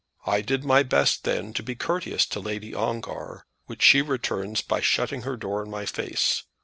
I did my best then to be courteous to Lady Ongar, which she returns by shutting her door in my face.